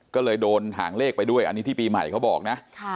ก็เลยโดนหางเลขไปด้วยอันนี้ที่ปีใหม่เขาบอกนะ